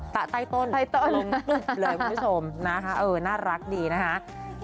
ใต้ต้นหล่นตุ้มเลยคุณผู้ชมนะคะเออน่ารักดีนะคะ